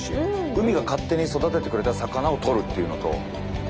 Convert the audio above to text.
海が勝手に育ててくれた魚をとるっていうのと。